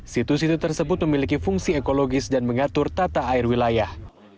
situs situs tersebut memiliki fungsi ekologis dan mengatur tata air wilayah